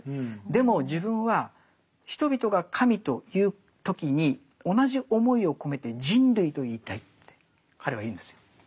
でも自分は人々が神と言う時に同じ思いを込めて人類と言いたいって彼は言うんですよ。